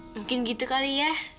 mungkin gitu kali ya